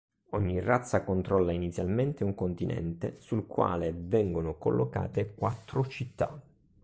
Ogni razza controlla inizialmente un continente, sul quale vengono collocate quattro città.